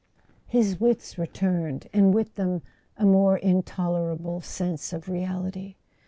His wits returned, and with them a more intolerable sense of reality.